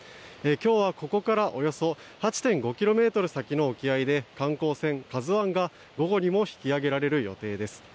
今日は、ここからおよそ８．５ｋｍ先の沖合で観光船「ＫＡＺＵ１」が午後にも引き揚げられる予定です。